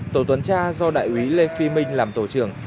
tổ tuần tra do đại úy lê phi minh làm tổ trưởng